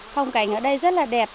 phong cảnh ở đây rất là đẹp